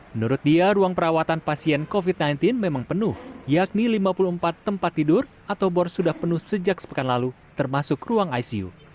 menurut dia ruang perawatan pasien covid sembilan belas memang penuh yakni lima puluh empat tempat tidur atau bor sudah penuh sejak sepekan lalu termasuk ruang icu